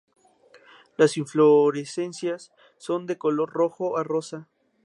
Las inflorescencias son de color rojo a rosa.